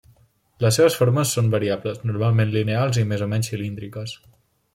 Les seves formes són variables, normalment lineals i més o menys cilíndriques.